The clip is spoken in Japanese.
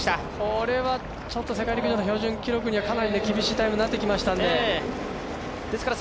これは世界陸上の標準記録にはかなり厳しいタイムになってきましたから。